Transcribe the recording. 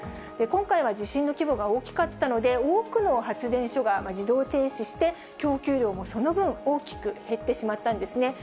今回は地震の規模が大きかったので、多くの発電所が自動停止して供給量もその分、大きく減ってしまったんですね。